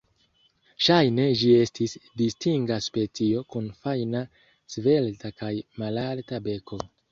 Ŝajne ĝi estis distinga specio, kun fajna, svelta kaj malalta beko.